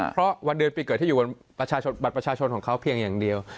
เพราะวันเดือนปีเกิดที่อยู่บนบัตรประชาชนของเขาเพียงอย่างเดียว